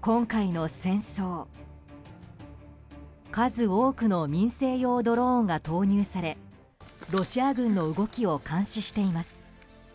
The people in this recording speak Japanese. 今回の戦争数多くの民生用ドローンが投入されロシア軍の動きを監視しています。